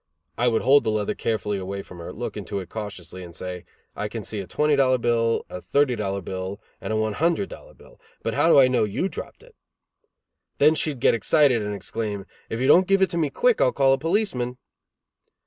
I would hold the leather carefully away from her, look into it cautiously and say: "I can see a twenty dollar bill, a thirty dollar bill, and a one hundred dollar bill, but how do I know you dropped it?" Then she'd get excited and exclaim, "If you don't give it to me quick I'll call a policeman."